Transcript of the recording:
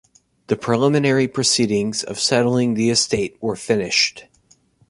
The preliminary proceedings of settling the estate were finished.